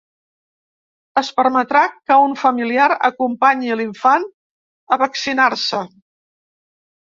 Es permetrà que un familiar acompanyi l’infant a vaccinar-se.